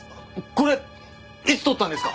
これいつ撮ったんですか？